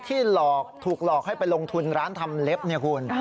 หลอกถูกหลอกให้ไปลงทุนร้านทำเล็บเนี่ยคุณ